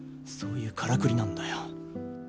そういうからくりなんだよ。